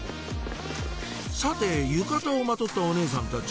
さて浴衣をまとったお姉さんたち